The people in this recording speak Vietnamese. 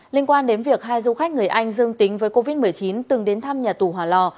liên quan đến việc hai du khách người anh dương tính với covid một mươi chín từng đến thăm nhà tù hòa lò